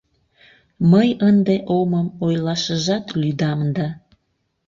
Мый ынде омым ойлашыжат лӱдам да...